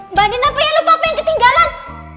mbak andin apa yang lupa apa yang ketinggalan